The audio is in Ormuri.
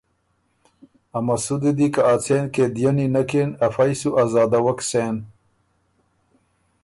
ا مسُودی دی کی ا څېن قېدينی نک اِن، افئ سُو آزادَوَک سېن۔